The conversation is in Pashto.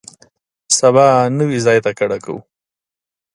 سبا نوي ځای ته کډه کوو.